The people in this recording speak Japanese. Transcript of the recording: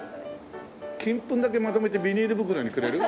金粉だけまとめてビニール袋にくれる？